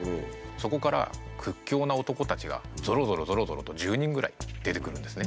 そこから屈強な男たちがぞろぞろぞろぞろと１０人ぐらい出てくるんですね。